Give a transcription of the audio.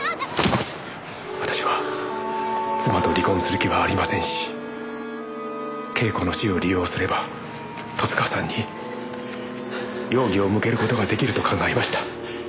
私は妻と離婚する気はありませんし恵子の死を利用すれば十津川さんに容疑を向ける事が出来ると考えました。